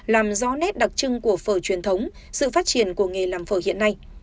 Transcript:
làm rõ nét đặc trưng của phở truyền thống sự phát triển của nghề làm phở hiện nay